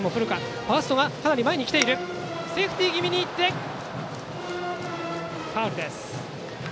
セーフティー気味にいってファウルです。